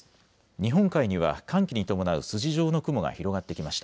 日本海には寒気に伴う筋状の雲が広がってきました。